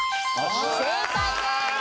正解です！